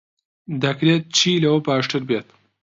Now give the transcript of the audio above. دەکرێت چی لەوە باشتر بێت؟